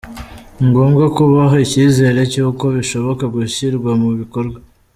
Ni gombwa kubaha icyizere cy’uko bishoka gushyirwa mu bikorwa.